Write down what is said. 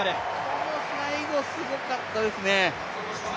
この最後、すごかったですね